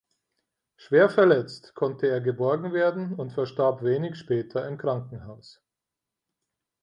Schwer verletzt konnte er geborgen werden und verstarb wenig später im Krankenhaus.